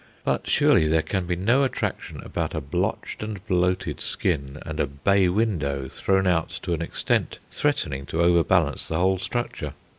But surely there can be no attraction about a blotched and bloated skin and a "bay window" thrown out to an extent threatening to overbalance the whole structure.